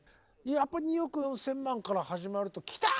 やっぱ「２億４千万」から始まるときた！